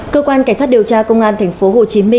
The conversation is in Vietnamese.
cơ quan cảnh sát điều tra công an tp hcm